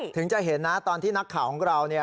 ถึงจะเห็นนะตอนที่นักข่าวของเรา